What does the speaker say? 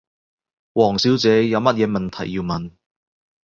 王小姐，有乜嘢問題要問？